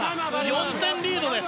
４点リードです。